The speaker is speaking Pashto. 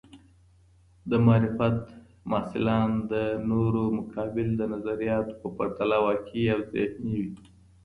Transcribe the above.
د معرفت محصلان د نورو مقابل د نظریاتو په پرتله واقعي او ذهني وي.